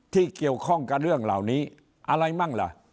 ที่เกี่ยวข้องกับเรื่องเหล่านี้อะไรมั่งล่ะ